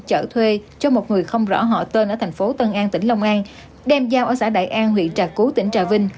chở thuê cho một người không rõ họ tên ở thành phố tân an tỉnh long an đem giao ở xã đại an huyện trà cú tỉnh trà vinh